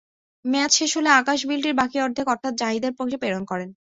মেয়াদ শেষ হলে আকাশ বিলটির বাকি অর্ধেক অর্থ জাহিদের কাছে প্রেরণ করেন।